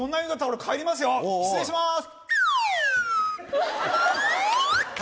失礼します！